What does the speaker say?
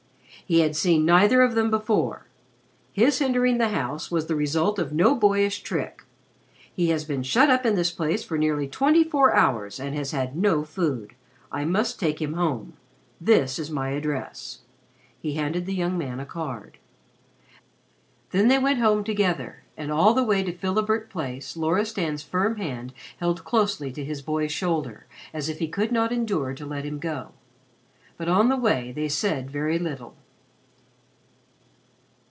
He had seen neither of them before. His entering the house was the result of no boyish trick. He has been shut up in this place for nearly twenty four hours and has had no food. I must take him home. This is my address." He handed the young man a card. Then they went home together, and all the way to Philibert Place Loristan's firm hand held closely to his boy's shoulder as if he could not endure to let him go. But on the way they said very little.